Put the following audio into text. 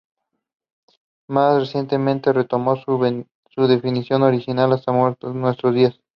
Más recientemente se retomó su definición original hasta nuestros días.